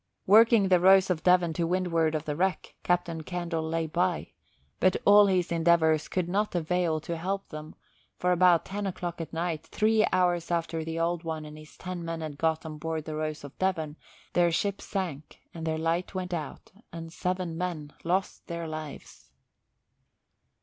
Working the Rose of Devon to windward of the wreck, Captain Candle lay by, but all his endeavours could not avail to help them, for about ten o'clock at night, three hours after the Old One and his ten men had got on board the Rose of Devon, their ship sank and their light went out and seven men lost their lives.